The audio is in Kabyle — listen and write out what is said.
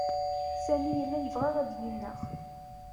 Sami yella yebɣa ad iyi-ineɣ.